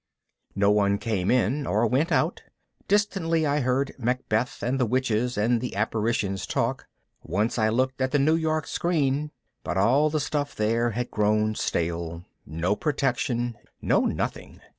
No one came in or went out. Distantly I heard Macbeth and the witches and the apparitions talk. Once I looked at the New York Screen, but all the stuff there had grown stale. No protection, no nothing.